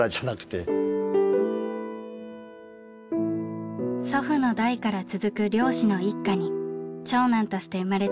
祖父の代から続く漁師の一家に長男として生まれた木村さん。